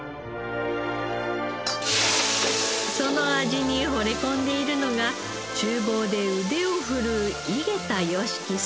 その味にほれ込んでいるのが厨房で腕を振るう井桁良樹さん。